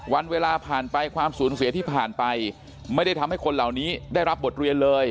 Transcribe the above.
วันเวลาผ่านไปความสูญเสียที่ผ่านไปไม่ได้ทำให้คนเหล่านี้ได้รับบทเรียนเลย